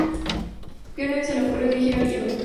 Garner se le ocurrió dirigir el guion.